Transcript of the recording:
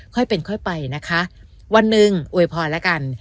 ค่อยเป็นค่อยไปนะคะวันหนึ่งอวยพรแล้วกัน